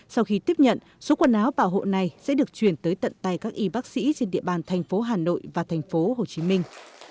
sau khi tiếp nhận số quần áo bảo hộ này sẽ được chuyển tới tận tay các y bác sĩ trên địa bàn thành phố hà nội và thành phố hồ chí minh